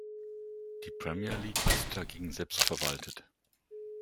Die Premier League ist dagegen selbstverwaltet.